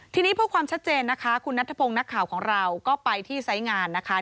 ทีนี้เพื่อความชัดเจนนะคะคุณนัทธพงศ์นักข่าวของเราก็ไปที่ไซส์งานนะคะ